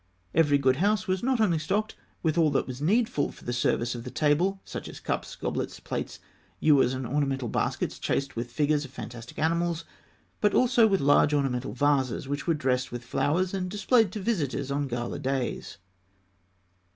Every good house was not only stocked with all that was needful for the service of the table, such as cups, goblets, plates, ewers, and ornamental baskets chased with figures of fantastic animals (fig. 287); but also with large ornamental vases which were dressed with flowers, and displayed to visitors on gala days.